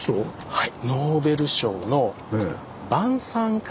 はい。